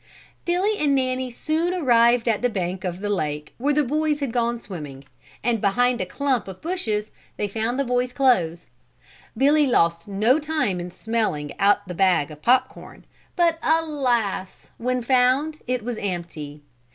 Billy and Nanny soon arrived at the bank of the lake where the boys had gone in swimming, and behind a clump of bushes they found the boys' clothes. Billy lost no time in smelling out the bag of pop corn but alas! when found, it was empty.